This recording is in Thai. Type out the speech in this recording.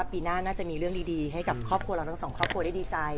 ปีหน้าน่าจะมีเรื่องดีให้กับครอบครัวเราทั้งสองครอบครัวได้ดีใจ